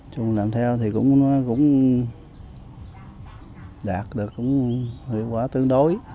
chúng mình làm theo thì cũng đạt được hiệu quả tương đối